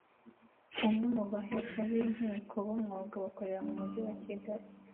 umwe mu bahesha b’inkiko b’umwuga bakorera mu Mujyi wa Kigali